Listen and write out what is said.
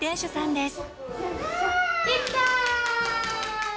できた！